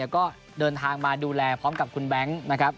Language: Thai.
ก็เดินทางมาดูแลพร้อมกับคุณแบงค์นะครับ